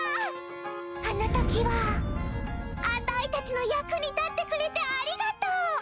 あの時はあたいたちの役に立ってくれてありがとう！